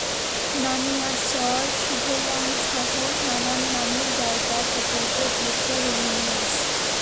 নানিয়ার চর, শুভলংসহ নানান নামের জায়গার ওপর দিয়ে ঘুরছে রঙিন মাছ।